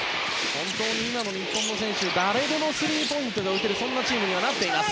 本当に今の日本の選手は誰でもスリーポイントが打てるチームになっています。